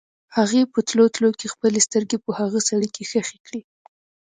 هغې په تلو تلو کې خپلې سترګې په هغه سړي کې ښخې کړې.